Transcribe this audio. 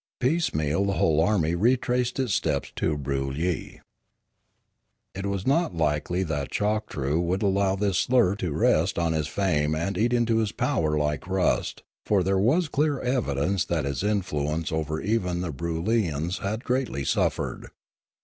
Piecemeal the whole army retraced its steps to Broolyi. It was not likely that Choktroo would allow this slur to rest on his fame and eat into his power like rust, for there was clear evidence that his influence over even Choktroo 213 the Broolyians had greatly suffered.